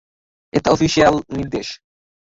এটা অফিশিয়াল নির্দেশ।